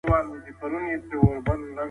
د علم د پرمختګ لپاره نظریات ته اړتیا سته.